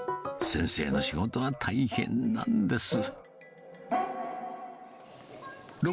先生の仕事は大変なんです。